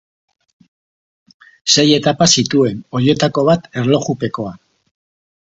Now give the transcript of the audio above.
Sei etapa zituen, horietako bat erlojupekoa.